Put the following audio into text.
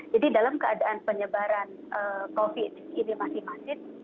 jadi dalam keadaan penyebaran covid sembilan belas ini masih masif